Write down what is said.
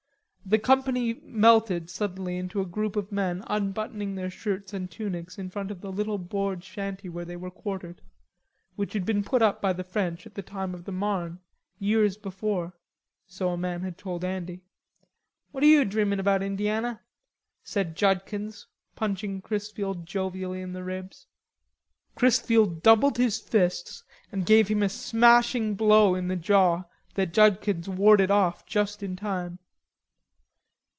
The company melted suddenly into a group of men unbuttoning their shirts and tunics in front of the little board shanty where they were quartered, which had been put up by the French at the time of the Marne, years before, so a man had told Andy. "What are you dreamin' about, Indiana?" said Judkins, punching Chrisfield jovially in the ribs. Chrisfield doubled his fists and gave him a smashing blow in the jaw that Judkins warded of just in time.